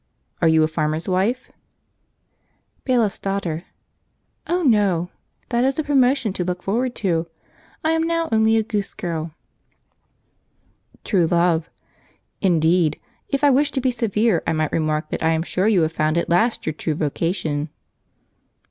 "Are you a farmer's wife?" Bailiff's Daughter. "Oh no! that is a promotion to look forward to; I am now only a Goose Girl." True Love. "Indeed! If I wished to be severe I might remark: that I am sure you have found at last your true vocation!"